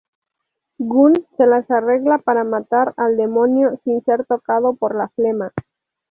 Gunn se las arregla para matar al demonio sin ser tocado por la flema.